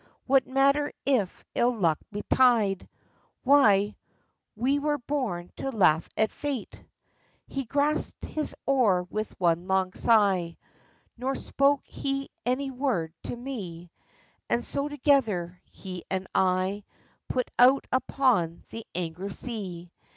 What matter if ill luck betide ?— Why, we were born to laugh at fate !" He grasped his oar with one long sigh. Nor spoke he au}^ word to me ; And so together, he and I, Put out upon the angry sea.